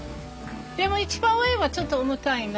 でも一番上はちょっと重たいな。